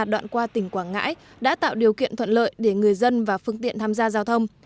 đoạn qua tỉnh quảng ngãi đã tạo điều kiện thuận lợi để người dân và phương tiện tham gia giao thông